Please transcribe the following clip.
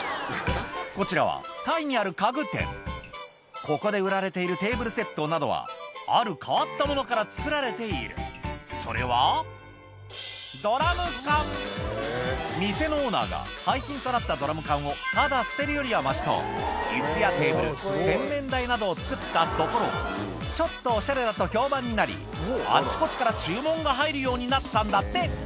こちらはここで売られているテーブルセットなどはある変わったものから作られているそれは店のオーナーが廃品となったドラム缶をただ捨てるよりはマシとイスやテーブル洗面台などを作ったところちょっとおしゃれだと評判になりあちこちから注文が入るようになったんだって